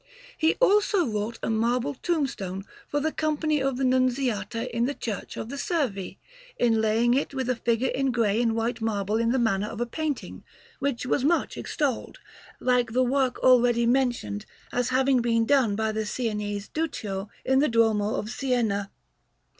He also wrought a marble tombstone for the Company of the Nunziata in the Church of the Servi, inlaying it with a figure in grey and white marble in the manner of a painting (which was much extolled), like the work already mentioned as having been done by the Sienese Duccio in the Duomo of Siena.